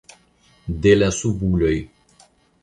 De la subuloj.